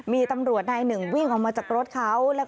มีตำรวจนายหนึ่งวิ่งออกมาจากรถเขา